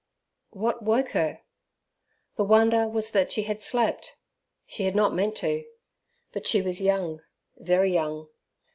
What woke her? The wonder was that she had slept she had not meant to. But she was young, very young.